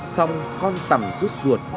xong con tầm rút ruột